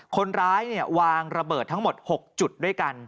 คนร้ายวางระเบิดทั้งหมด๖จุดด้วยกัน